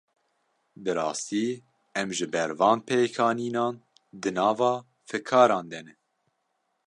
Bi rastî em ji ber van pêkanînan, di nava fikaran de ne